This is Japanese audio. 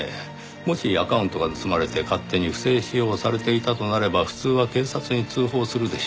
もしアカウントが盗まれて勝手に不正使用されていたとなれば普通は警察に通報するでしょう。